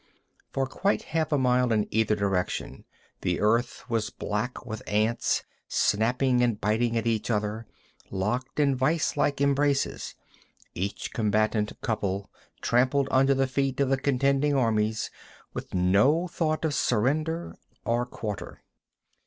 For quite half a mile in either direction the earth was black with ants, snapping and biting at each other, locked in vise like embraces, each combatant couple trampled under the feet of the contending armies, with no thought of surrender or quarter.